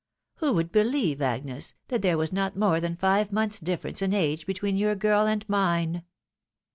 Who would believe, Agnes, that there was not more than five months difference in age between your girl and mine."